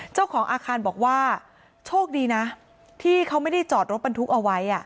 เจ้าของอาคารบอกว่าโชคดีนะที่เขาไม่ได้จอดรถบรรทุกเอาไว้